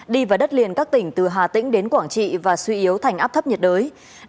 đi vào đất liền các tỉnh từ hà tĩnh đến quảng trị và suy yếu thành áp thấp nhiệt đới